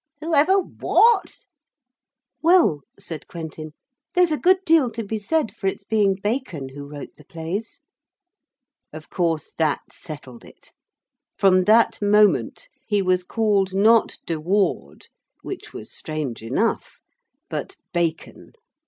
'Whoever what?' 'Well,' said Quentin, 'there's a good deal to be said for its being Bacon who wrote the plays.' Of course that settled it. From that moment, he was called not de Ward, which was strange enough, but Bacon.